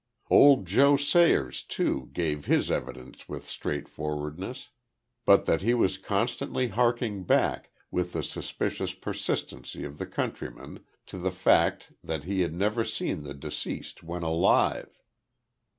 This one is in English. Old Joe Sayers, too, gave his evidence with straightforwardness, but that he was constantly harking back, with the suspicious persistency of the countryman, to the fact that he had never seen the deceased when alive.